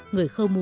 người khâu mú